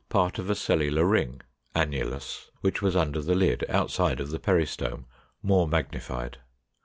Part of a cellular ring (annulus) which was under the lid, outside of the peristome, more magnified.